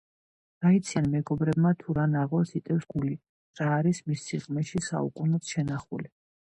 რა იციან მეგობრებმა თუ რა ნაღველს იტევს გული რა არის მის სიღრმეში საუკუნოდ შენახული